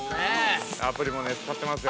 アプリもね、使ってますよ。